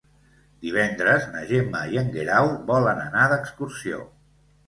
Divendres na Gemma i en Guerau volen anar d'excursió.